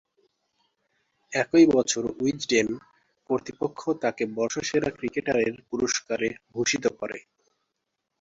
একই বছর উইজডেন কর্তৃপক্ষ তাকে বর্ষসেরা ক্রিকেটারের পুরস্কারে ভূষিত করে।